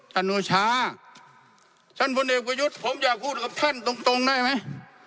ท่านโนชาท่านผลเด็กประโยชน์ผมอยากพูดกับท่านตรงได้ไหม